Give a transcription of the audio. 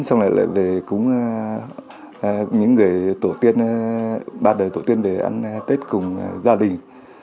xong rồi lại về cúng những người tổ tiên ba đời tổ tiên để ăn tết cùng gia đình